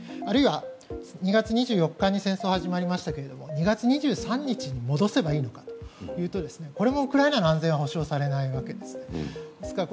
あるいは２月２４日に戦争が始まりましたけれど２月２３日に戻せばいいのかというとこれもウクライナの安全は保障されないわけです。